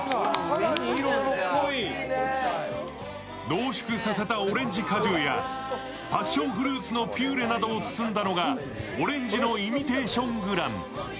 濃縮させたオレンジ果汁やパッションフルーツのピューレなどを包んだのがオレンジのイミテーショングラン。